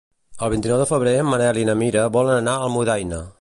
El vint-i-nou de febrer en Manel i na Mira volen anar a Almudaina.